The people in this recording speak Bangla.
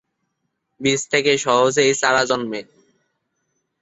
বীজ থেকে সহজেই চারা জন্মে।